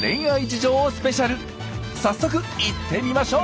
早速行ってみましょう！